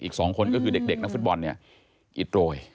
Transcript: อีก๒คนก็คือเด็กน้องฟุตบอลอิดโรย